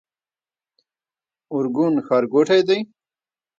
ارګون ښارګوټی دی؟